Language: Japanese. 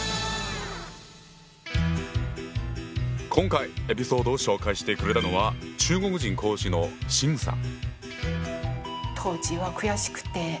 今回エピソードを紹介してくれたのは中国人講師の秦さん。